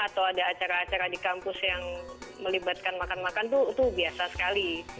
atau ada acara acara di kampus yang melibatkan makan makan itu biasa sekali